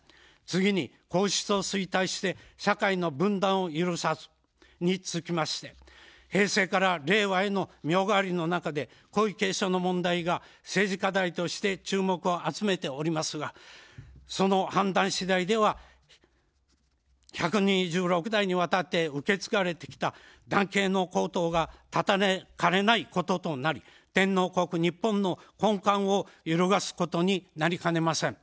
次に皇室を推戴して社会の分断を許さず、につきまして平成から令和への御代替わりの中で皇位継承の問題が政治課題として注目を集めておりますが、その判断しだいでは１２６代にわたって受け継がれてきた男系の皇統が断たれかねないこととなり天皇国日本の根幹を揺るがすことになりかねません。